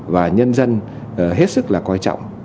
và nhân dân hết sức là quan trọng